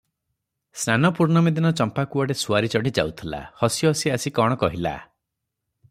ସ୍ନାନପୂର୍ଣ୍ଣମୀ ଦିନ ଚମ୍ପା କୁଆଡ଼େ ସୁଆରି ଚଢ଼ିଯାଉଥିଲା, ହସି ହସି ଆସି କଣ କହିଲା ।